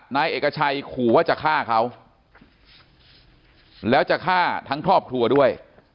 นายเอกชัยขู่ว่าจะฆ่าเขาแล้วจะฆ่าทั้งครอบครัวด้วย